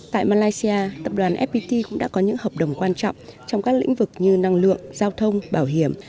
tại malaysia tập đoàn fpt cũng đã có những hợp đồng quan trọng trong các lĩnh vực như năng lượng giao thông bảo hiểm